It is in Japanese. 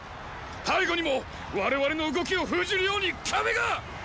背後にも我々の動きを封じるように壁がっ！